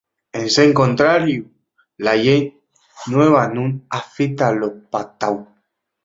En sen contrariu, la llei nueva nun afita lo pautao.